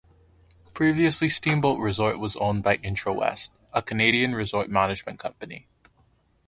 Previously Steamboat Resort was owned by Intrawest, a Canadian resort management company.